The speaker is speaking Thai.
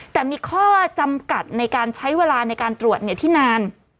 แต่มีข้อจำกัดในการใช้เวลาในการตรวจที่นาน